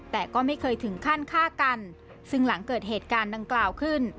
แต่ก็ไม่เคยถึงขั้นฆ่ากันซึ่งหลังเกิดเหตุการณ์ดังกล่าวขึ้น